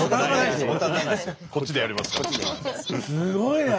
すごいね！